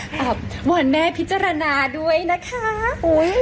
เหลือแผู้หัวแม่พิจารณาด้วยนะคะ